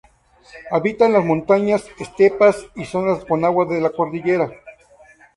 Habita en las montañas, estepas y zonas con agua de la cordillera.